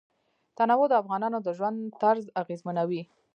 تنوع د افغانانو د ژوند طرز اغېزمنوي.